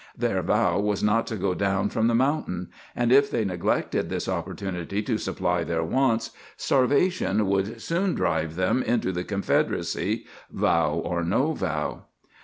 Their vow was not to go down from the mountain; and if they neglected this opportunity to supply their wants, starvation would soon drive them into the Confederacy, vow or no vow.